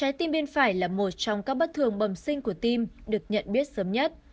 trái tim bên phải là một trong các bất thường bầm sinh của tim được nhận biết sớm nhất